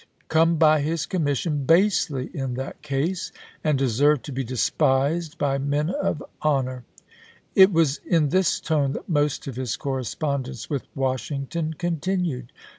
THE MAECH TO CHATTANOOGA 49 come by his commission basely in that case, and deserve to be despised by men of honor." It was in this tone that most of his correspondence with Washington continued.